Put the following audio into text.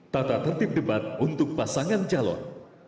tata tertib debat untuk pasangan calon